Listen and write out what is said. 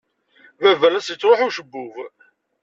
Baba la as-yettṛuḥu ucebbub.